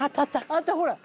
あったほら！